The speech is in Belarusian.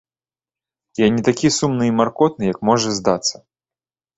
Я не такі сумны і маркотны, як можа здацца.